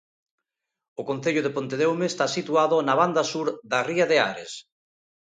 O concello de Pontedeume está situado na banda sur da ría de Ares.